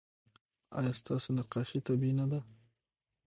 ایا ستاسو نقاشي طبیعي نه ده؟